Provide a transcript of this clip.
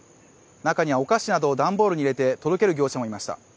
中にはお菓子などを段ボールに入れて届ける業者もいました。